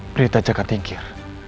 berita jakat tingkir